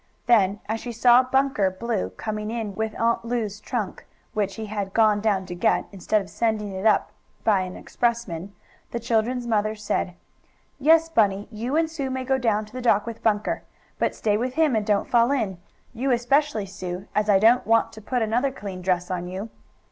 Then, as she saw Bunker Blue coming in with Aunt Lu's trunk, which he had gone down to get, instead of sending it up by an expressman, the children's mother said: "Yes, Bunny, you and Sue may go down to the dock with Bunker. But stay with him, and don't fall in; you especially, Sue, as I don't want to put another clean dress on you."